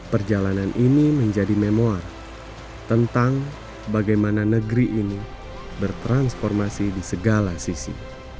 perjalanan ini menjadi memoar tentang bagaimana negeri ini bertransformasi di segala sisi